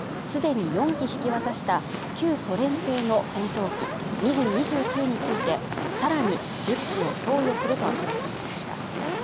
ドゥダ大統領は既に４機引き渡した旧ソ連製の戦闘機ミグ２９について、さらに１０機を供与すると明らかにしました。